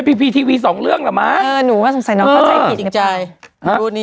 อยู่ดีก็พูดเองเอาเองก็มาอะไร